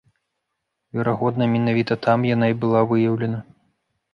Верагодна, менавіта там яна і была выяўлена.